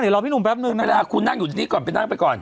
เดี๋ยวรอพี่หนุ่มแป๊บนึงเวลาคุณนั่งอยู่ที่นี่ก่อนไปนั่งไปก่อน